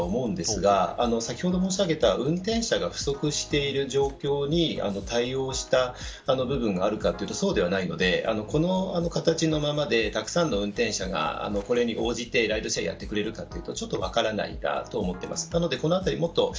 よく考えられた内容になっているとは思うんですが先ほど申し上げた運転者が不足している状況に対応した部分があるかというとそうではないのでこの形のままでたくさんの運転者がこれに応じてライドシェアをやってくれるかというとちょっと分からないなと思っています。